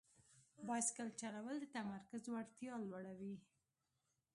بایسکل چلول د تمرکز وړتیا لوړوي.